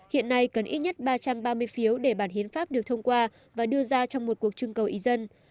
hiện nay cần ít nhất ba trăm ba mươi phiếu để bản hiến pháp được thông qua và đưa ra trong một cuộc trưng cầu ý dân